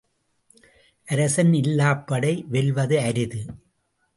அரசன் இல்லாப் படை வெல்வது அரிது.